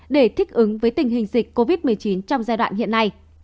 để thích ứng với tình hình dịch covid một mươi chín trong giai đoạn hiện nay